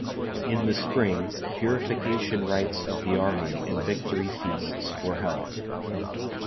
In the Spring, purification rites of the army and victory feasts were held.